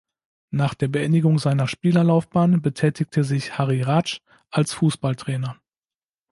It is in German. Nach der Beendigung seiner Spielerlaufbahn betätigte sich Harry Ratsch als Fußballtrainer.